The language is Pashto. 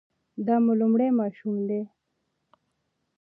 دا مو لومړی ماشوم دی؟